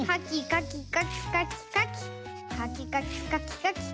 かきかきかきかき。